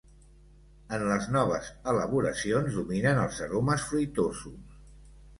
En les noves elaboracions dominen els aromes fruitosos.